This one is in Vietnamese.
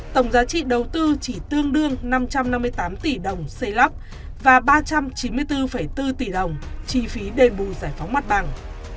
tổng giá trị đầu tư chỉ tương đương năm trăm năm mươi tám tỷ đồng xây lắp và ba trăm chín mươi bốn bốn tỷ đồng chi phí đề bù giải phóng mặt bằng